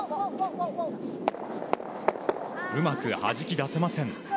うまくはじき出せません。